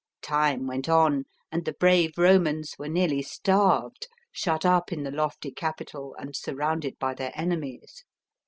Time went on and the brave Romans were nearly starved, shut up in the lofty Capitol and surrounded by their enemies.